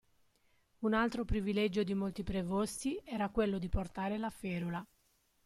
Un altro privilegio di molti prevosti era quello di portare la ferula.